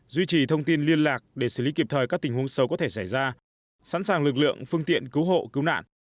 duy trì thông tin liên lạc để xử lý kịp thời các tình huống xấu có thể xảy ra sẵn sàng lực lượng phương tiện cứu hộ cứu nạn